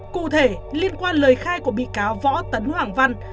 cụ thể liên quan lời khai của bị cáo võ tấn hoàng văn